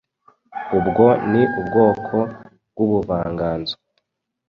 ubwo ni ubwoko bw’ubuvanganzo